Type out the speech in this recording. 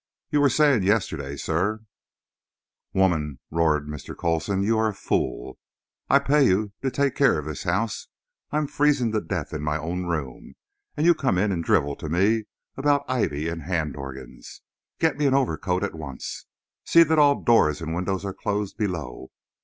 You were saying yesterday, sir—" "Woman!" roared Mr. Coulson; "you are a fool. I pay you to take care of this house. I am freezing to death in my own room, and you come in and drivel to me about ivy and hand organs. Get me an overcoat at once. See that all doors and windows are closed below.